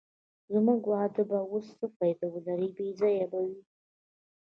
زموږ واده به اوس څه فایده ولرې، بې ځایه به وي.